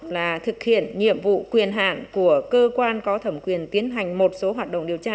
là thực hiện nhiệm vụ quyền hạn của cơ quan có thẩm quyền tiến hành một số hoạt động điều tra